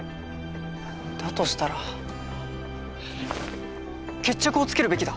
だとしたら決着をつけるべきだ。